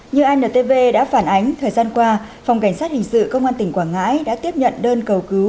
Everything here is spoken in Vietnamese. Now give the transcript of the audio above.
như antv đã phản ánh thời gian qua phòng cảnh sát hình sự công an tỉnh quảng ngãi đã tiếp nhận đơn cầu cứu